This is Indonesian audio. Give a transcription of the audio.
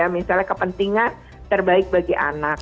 misalnya kepentingan terbaik bagi anak